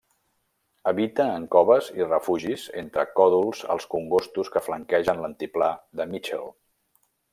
Habita en coves i refugis entre còdols als congostos que flanquegen l'altiplà de Mitchell.